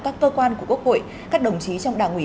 các cơ quan của quốc hội các đồng chí trong đảng ủy